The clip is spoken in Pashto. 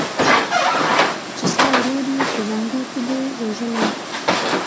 چي ستا ورور یې په زانګو کي دی وژلی